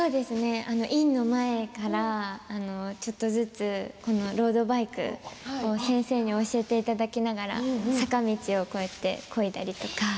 インの前から少しずつこのロードバイク先生に教えてもらいながら坂道をこうやってこいだりとか。